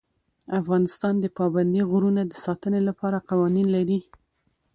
افغانستان د پابندی غرونه د ساتنې لپاره قوانین لري.